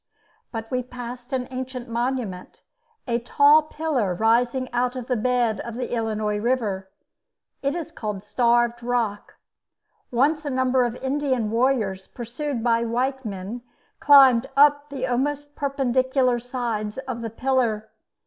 But we passed an ancient monument, a tall pillar, rising out of the bed of the Illinois river. It is called "Starved Rock." Once a number of Indian warriors, pursued by white men, climbed up the almost perpendicular sides of the pillar.